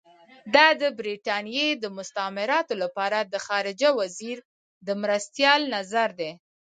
دا د برټانیې د مستعمراتو لپاره د خارجه وزیر د مرستیال نظر دی.